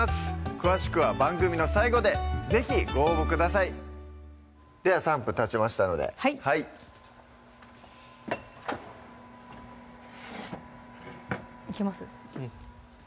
詳しくは番組の最後で是非ご応募くださいでは３分たちましたのではいいけます？